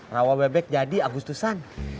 rawah bebek jadi agustusan